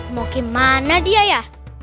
mau gimana dia ya